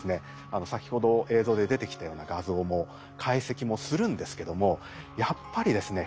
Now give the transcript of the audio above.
先ほど映像で出てきたような画像も解析もするんですけどもやっぱりですね不十分。